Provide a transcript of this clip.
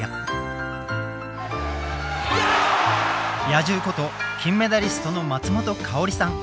野獣こと金メダリストの松本薫さん。